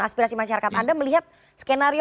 aspirasi masyarakat anda melihat skenario